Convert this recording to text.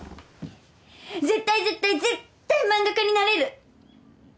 絶対絶対絶対漫画家になれる！